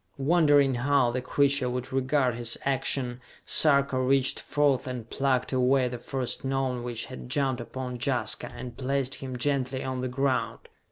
Wondering how the creature would regard his action, Sarka reached forth and plucked away the first Gnome which had jumped upon Jaska, and placed him gently on the ground.